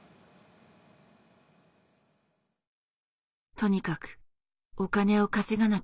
とにかくお金を稼がなければ。